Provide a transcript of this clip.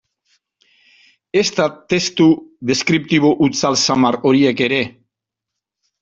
Ezta testu deskriptibo hutsal samar horiek ere.